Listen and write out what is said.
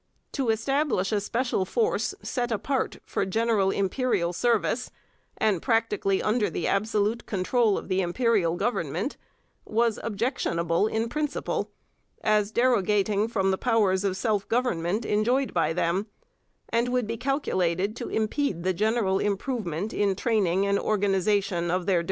To establish a special force, set apart for general imperial service, and practically under the absolute control of the Imperial Government, was objectionable in principle, as derogating from the powers of self government enjoyed by them, and would be calculated to impede the general improvement in training and organization of their defence forces.'